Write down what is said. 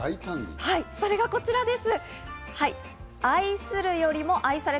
それがこちらです。